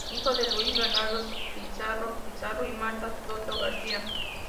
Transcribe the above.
Hijo de Luis Bernardo Pizarro Pizarro y Marta Soto García.